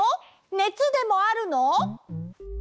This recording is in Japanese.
ねつでもあるの？